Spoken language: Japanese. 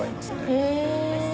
へえ。